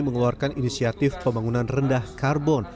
mengeluarkan inisiatif pembangunan rendah karbon